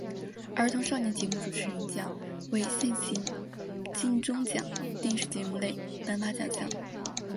儿童少年节目主持人奖为现行金钟奖电视节目类颁发奖项。